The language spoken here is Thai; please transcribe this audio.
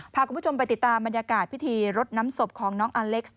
พาคุณผู้ชมไปติดตามบรรยากาศพิธีรดน้ำศพของน้องอเล็กซ์